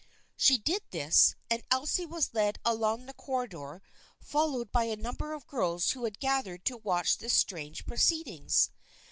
She did this, and Elsie was led along the cor ridor, followed by a number of girls who had gath ered to watch these strange proceedings.